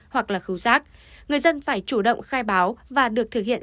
hoặc là khấu giác người dân phải chủ động khai báo và được thực hiện